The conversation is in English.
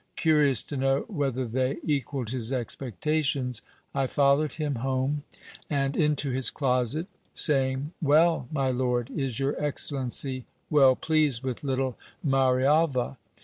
Curious to know whether they equalled his expectations, I followed him home, and into his closet, saying : Well, my lord, is your excellency well pleased with little Marialva